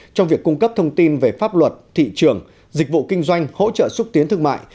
trong việc cung cấp thông tin về pháp luật thị trường dịch vụ kinh doanh hỗ trợ xúc tiến thương mại